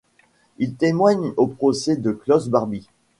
Il témoigne au procès de Klaus Barbie.